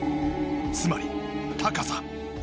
つまり高さ。